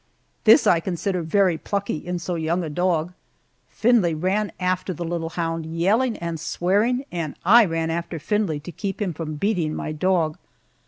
This I consider very plucky in so young a dog! Findlay ran after the little hound, yelling and swearing, and I ran after Findlay to keep him from beating my dog.